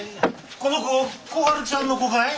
この子小春ちゃんの子かい？